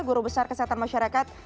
guru besar kesehatan masyarakat